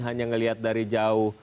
hanya ngelihat dari jauh